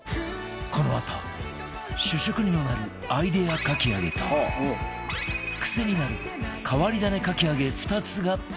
このあと主食にもなるアイデアかき揚げとクセになる変わり種かき揚げ２つが完成する